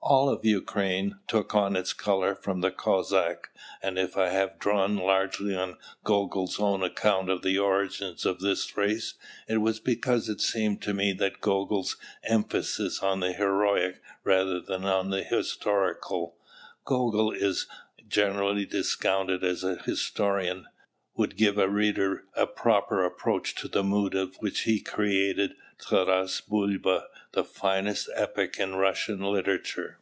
All of Ukraine took on its colour from the Cossack, and if I have drawn largely on Gogol's own account of the origins of this race, it was because it seemed to me that Gogol's emphasis on the heroic rather than on the historical Gogol is generally discounted as an historian would give the reader a proper approach to the mood in which he created "Taras Bulba," the finest epic in Russian literature.